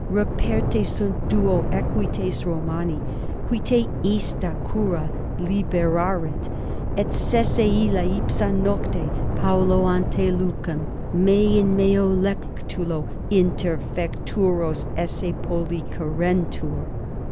Reperti sunt duo equites Romani, qui te ista cura liberarent et sese illa ipsa nocte paulo ante lucem me in meo lectulo interfecturos esse pollicerentur.